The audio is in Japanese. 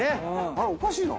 おかしいな。